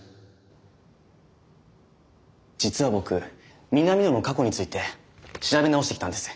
実は僕南野の過去について調べ直してきたんです。